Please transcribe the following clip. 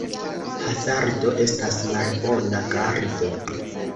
Hazardo estas malbona gardo.